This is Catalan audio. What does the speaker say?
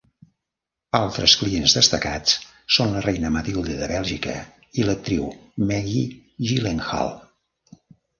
Altres clients destacats són la reina Mathilde de Bèlgica i l'actriu Maggie Gyllenhaal.